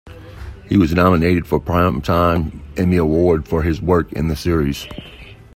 He was nominated for Primetime Emmy Award for his work in the series.